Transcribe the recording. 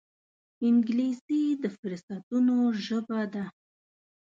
انګلیسي د فرصتونو ژبه ده